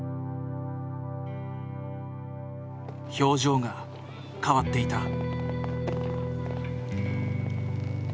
表情が変わっていた。